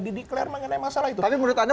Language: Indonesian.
di declare mengenai masalah itu tapi menurut anda